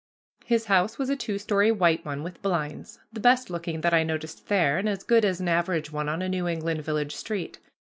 His house was a two story white one with blinds, the best looking that I noticed there, and as good as an average one on a New England village street.